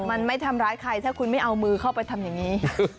มันไม่ทำร้ายใครถ้าคุณไม่เอามือเข้าไปทำอย่างนี้